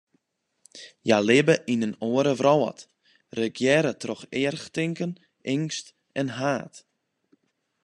Hja libbe yn in oare wrâld, regearre troch erchtinken, eangst en haat.